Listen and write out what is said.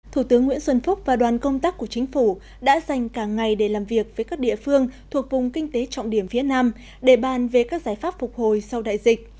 thủ tướng nguyễn xuân phúc và đoàn công tác của chính phủ đã dành cả ngày để làm việc với các địa phương thuộc vùng kinh tế trọng điểm phía nam để bàn về các giải pháp phục hồi sau đại dịch